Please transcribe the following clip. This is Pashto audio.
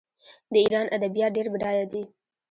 د ایران ادبیات ډیر بډایه دي.